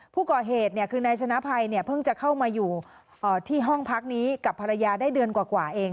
ผู้ก่อเหตุคือนายชนะภัยเพิ่งจะเข้ามาอยู่ที่ห้องพักนี้กับภรรยาได้เดือนกว่าเอง